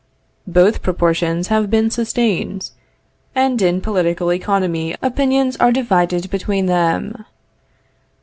Both propositions have been sustained, and in political economy opinions are divided between them.